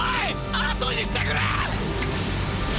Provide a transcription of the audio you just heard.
あとにしてくれ！